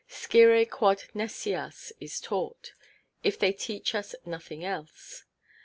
Scire quod nescias is taught, if they teach us nothing else.